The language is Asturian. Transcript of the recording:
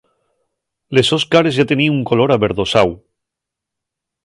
Les sos cares yá teníen un color averdosáu.